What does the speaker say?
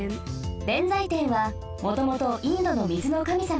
弁財天はもともとインドの水の神様です。